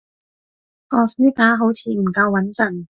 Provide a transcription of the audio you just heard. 個書架好似唔夠穏陣